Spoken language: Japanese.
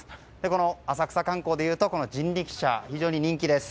この浅草観光でいうとこの人力車非常に人気です。